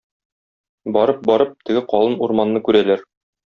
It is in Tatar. Барып-барып, теге калын урманны күрәләр.